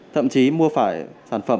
thậm chí mua phải sản phẩm